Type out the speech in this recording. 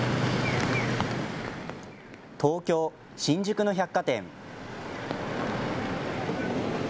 東京・新宿の百貨店。